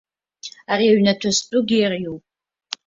Ари аҩнаҭа зтәугьы иара иоуп.